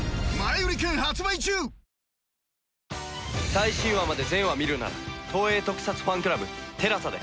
最新話まで全話見るなら東映特撮ファンクラブＴＥＬＡＳＡで。